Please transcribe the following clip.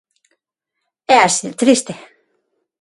É así de triste.